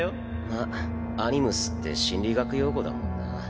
まあアニムスって心理学用語だもんな。